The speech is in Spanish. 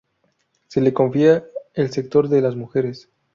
Se le confía el sector de las mujeres.